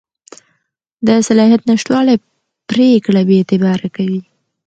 د صلاحیت نشتوالی پرېکړه بېاعتباره کوي.